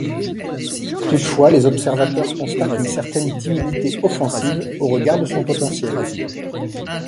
Toutefois, les observateurs constatent une certaine timidité offensive, au regard de son potentiel.